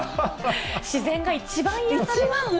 自然が一番癒やされますね。